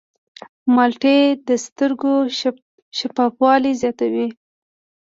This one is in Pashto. مالټې د سترګو شفافوالی زیاتوي.